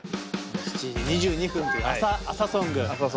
「７時２２分」という朝ソング。